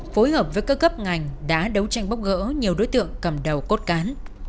phối hợp với các cấp ngành đã đấu tranh bóc gỡ nhiều đối tượng cầm đầu cốt cán